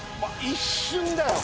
一瞬だよ。